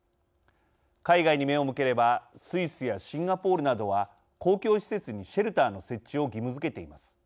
海外に目を向ければスイスやシンガポールなどは公共施設にシェルターの設置を義務づけています。